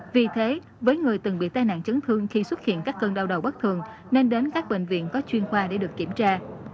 vì thế với người từng bị tai nạn chấn thương khi xuất hiện các cơn đau đầu bất thường nên đến các bệnh viện có chuyên khoa để được kiểm tra